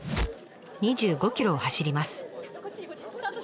２５ｋｍを走ります。